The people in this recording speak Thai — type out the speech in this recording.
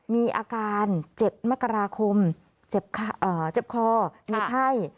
มีอาการเจ็บมกราคมเจ็บคอเหนือไข้